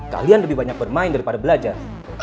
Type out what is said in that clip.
kalian lebih banyak bermain daripada belajar